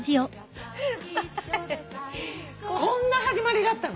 こんな始まりだったのね。